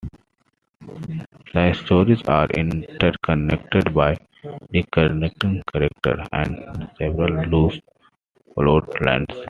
The stories are interconnected by recurring characters and several loose plot lines.